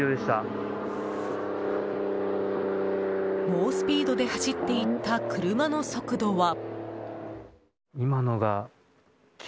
猛スピードで走っていった車の速度は。